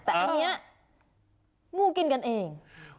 แต่อันนี้งูกินกันเอง